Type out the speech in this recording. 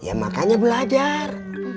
ya makanya belajar